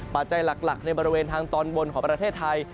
ปัจจัยหลักในบริเวณทางตอนบนของประเทศไทย